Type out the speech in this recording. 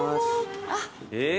えっ！